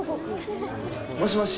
もしもし。